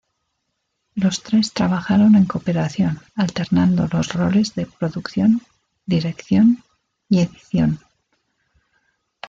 Los tres trabajaron en cooperación alternando los roles de producción, dirección y edición.